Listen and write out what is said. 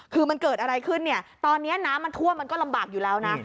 คือมันเกิดอะไรขึ้นเนี่ยตอนนี้น้ำมันท่วมมันก็ลำบากอยู่แล้วนะ